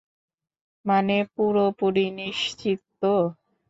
মানে, পুরোপুরি নিশ্চিত তো?